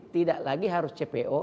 tidak lagi harus cpo